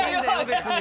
別に。